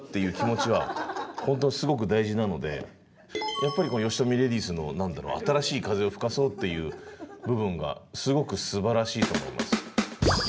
やっぱりよしとみレディースの新しい風を吹かそうっていう部分がすごくすばらしいと思います。